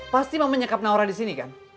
pasti mama nyekap naura disini kan